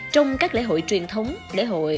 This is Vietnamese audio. trong các lễ hội truyền thống lễ hội